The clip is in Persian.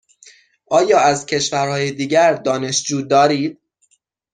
آیا از کشورهای دیگر دانشجو دارید؟